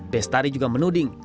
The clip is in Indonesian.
bestari juga menuding